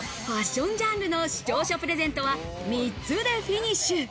ファッションジャンルの視聴者プレゼントは３つでフィニッシュ。